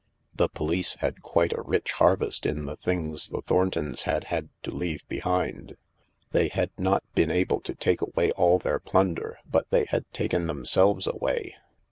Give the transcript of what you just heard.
The police had quite a rich harvest in the things the Thorntons had had to leave behind. They had not been able to take away all their plunder, but they had taken themselves away.